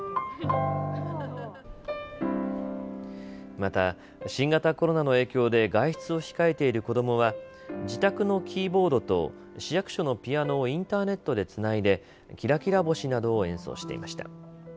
また、新型コロナの影響で外出を控えている子どもは自宅のキーボードと市役所のピアノをインターネットでつないで、きらきら星などを演奏していました。